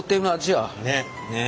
ねえ。